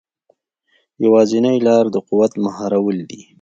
یوازینۍ لاره د قدرت مهارول دي.